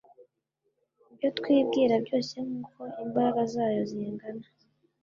ibyo twibwira byose nk uko imbaraga zayo zingana